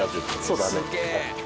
そうだね。